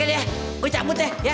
eh oke deh gue cabut ya ya ya